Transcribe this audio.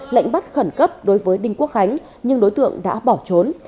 lệnh bắt khẩn cấp đối với đinh quốc khánh nhưng đối tượng đã bỏ trốn